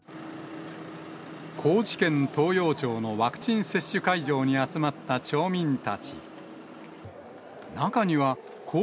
高知県東洋町のワクチン接種会場に集まった町民たち。